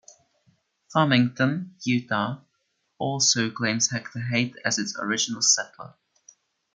Farmington, Utah, also claims Hector Haight as its original settler.